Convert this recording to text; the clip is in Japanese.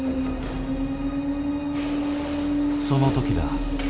その時だ。